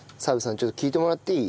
ちょっと聞いてもらっていい？